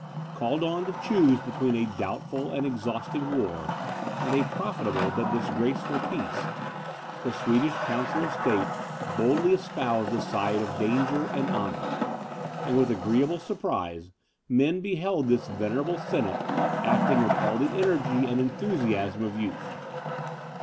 Called on to choose between a doubtful and exhausting war, and a profitable but disgraceful peace, the Swedish council of state boldly espoused the side of danger and honour; and with agreeable surprise, men beheld this venerable senate acting with all the energy and enthusiasm of youth.